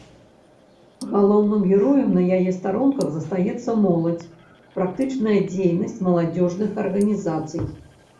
Галоўным героем на яе старонках застаецца моладзь, практычная дзейнасць маладзёжных арганізацый.